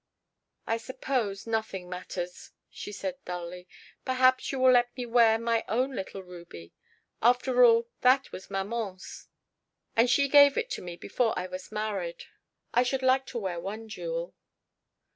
"I suppose nothing matters," she said dully. "Perhaps you will let me wear my own little ruby. After all, that was maman's, and she gave it to me before I was married. I should like to wear one jewel."